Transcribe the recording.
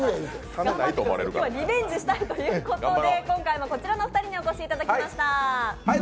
今日はリベンジしたいということで、今回もこちらのお二人にお越しいただきました。